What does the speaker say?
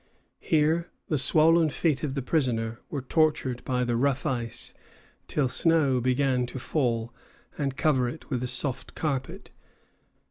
Here the swollen feet of the prisoner were tortured by the rough ice, till snow began to fall and cover it with a soft carpet.